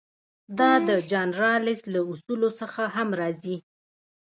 دا د جان رالز له اصولو څخه هم راځي.